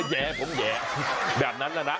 แหย่ผมแหย่แบบนั้นแหละนะ